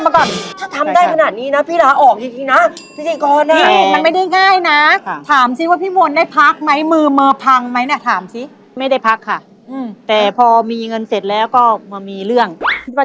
ไปดีกว่าเดี๋ยวพี่ไปเก็บของเก่าดีกว่าเดี๋ยว